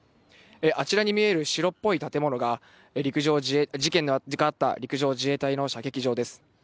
あちらに見える白っぽい建物が、事件のあった陸上自衛隊の射撃場です。